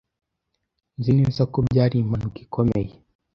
Nzi neza ko byari impanuka ikomeye.